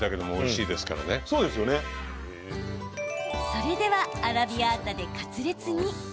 それではアラビアータでカツレツに。